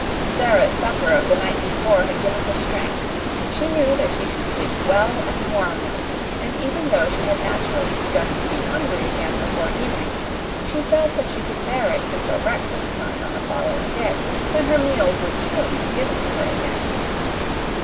Sara's supper of the night before had given her strength, she knew that she should sleep well and warmly, and, even though she had naturally begun to be hungry again before evening, she felt that she could bear it until breakfast time on the following day, when her meals would surely be given to her again.